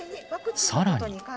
さらに。